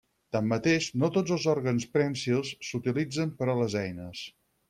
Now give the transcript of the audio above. Tanmateix, no tots els òrgans prènsils s'utilitzen per a les eines.